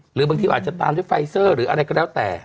หรือบางทีอาจจะตามด้วยไฟเซอร์หรืออะไรก็แล้วแต่